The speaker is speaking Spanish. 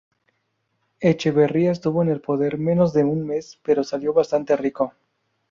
Echeverría estuvo en el poder menos de un mes, pero salió bastante rico.